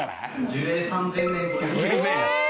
樹齢３０００年超え。